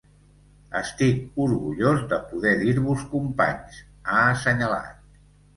“Estic orgullós de poder dir-vos companys”, ha assenyalat.